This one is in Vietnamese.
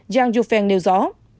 giang yufeng nêu rõ